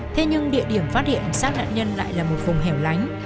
thế nhưng địa điểm phát hiện sát nạn nhân lại là một vùng hẻo lánh